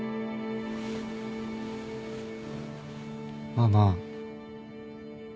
ママ。